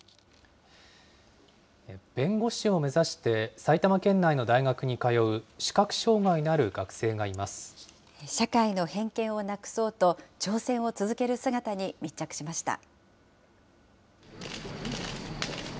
弁護士を目指して埼玉県内の大学に通う、社会の偏見をなくそうと、挑戦を続ける姿に密着しました。